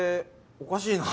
おかしいな。